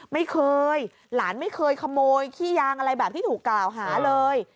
ไม่เคยหลานไม่เคยขโมยขี้ยางอะไรแบบที่ถูกกล่าวหาเลย